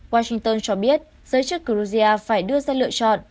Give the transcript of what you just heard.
washington cho biết giới chức georgia phải đưa ra lựa chọn